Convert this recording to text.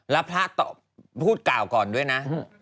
แล้วพระพูดกล่าวก่อนด้วยนะ